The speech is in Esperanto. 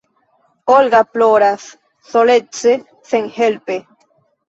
Olga ploras solece, senhelpe.